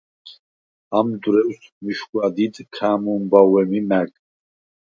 ამ დრუ̂ეუ̂ს მიშგუ̂ა დიდ ქა̄̈მჷმბაუ̂ე მი მა̄̈გ: